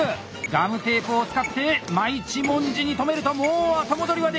ガムテープを使って真一文字に留めるともう後戻りはできない！